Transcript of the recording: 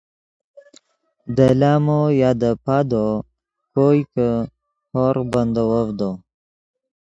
دے لامو یا دے پادو کوئے کہ ہورغ بندیوڤدو